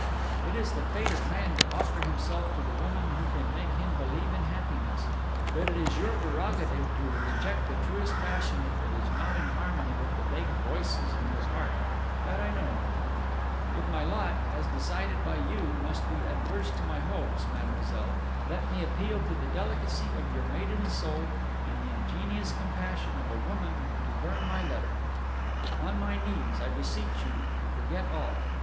"It is the fate of man to offer himself to the woman who can make him believe in happiness; but it is your prerogative to reject the truest passion if it is not in harmony with the vague voices in your heart that I know. If my lot, as decided by you, must be adverse to my hopes, mademoiselle, let me appeal to the delicacy of your maiden soul and the ingenuous compassion of a woman to burn my letter. On my knees I beseech you to forget all!